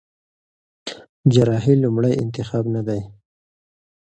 جراحي لومړی انتخاب نه دی.